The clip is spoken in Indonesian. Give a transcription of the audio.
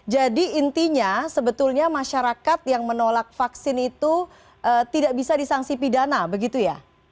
jadi intinya sebetulnya masyarakat yang menolak vaksin itu tidak bisa disangsi pidana begitu ya